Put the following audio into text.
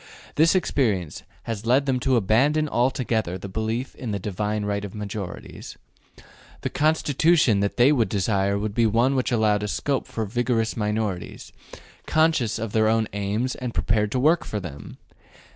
This experience has led them to abandon altogether the belief in the divine right of majorities. The Constitution that they would desire would be one which allowed scope for vigorous minorities, conscious of their aims and prepared to work for them.